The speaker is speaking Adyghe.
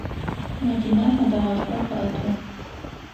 Мэдинэ хьэдэгъэшхор къыӏэтыгъ.